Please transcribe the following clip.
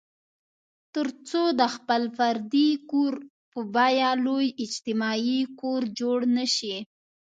تر څو د خپل فردي کور په بیه لوی اجتماعي کور جوړ نه شي.